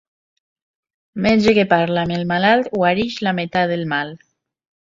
Metge que parla amb el malalt guareix la meitat del mal.